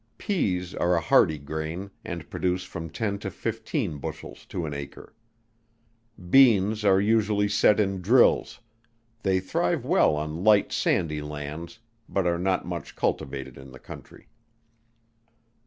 Pease are a hardy grain, and produce from ten to fifteen bushels to an acre. Beans are usually set in drills; they thrive well on light sandy lands, but are not much cultivated in the country.